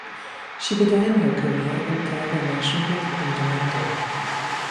She began her career in collaboration with Rudimental.